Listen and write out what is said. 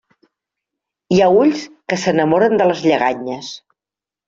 Hi ha ulls que s'enamoren de les lleganyes.